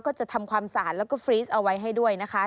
ก็จะทำความสะอาดแล้วก็ฟรีสเอาไว้ให้ด้วยนะคะ